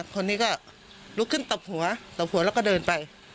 คนนี้ก็ลุกขึ้นตบหัวตบหัวแล้วก็เดินไป